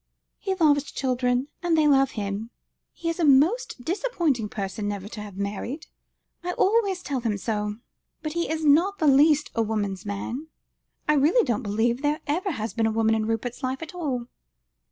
"He loves children, and they love him. He is a most disappointing person, never to have married. I always tell him so. But he is not the least a woman's man; I really don't believe there has ever been a woman in Rupert's life at all."